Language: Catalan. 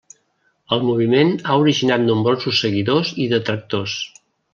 El moviment ha originat nombrosos seguidors i detractors.